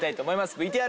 ＶＴＲ。